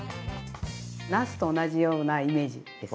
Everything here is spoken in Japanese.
なすと同じようなイメージです